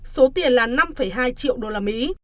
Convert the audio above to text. số tiền là năm hai triệu usd